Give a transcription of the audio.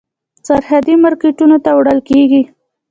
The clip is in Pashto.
سرحدي مارکېټونو ته وړل کېږي.